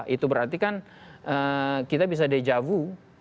itu berarti kan kita bisa dejavu